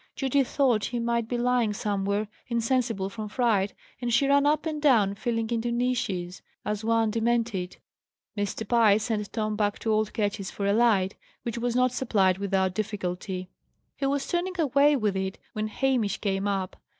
Judy thought he might be lying somewhere, insensible from fright, and she ran up and down feeling into niches, as one demented. Mr. Pye sent Tom back to old Ketch's for a light, which was not supplied without difficulty. He was turning away with it, when Hamish came up.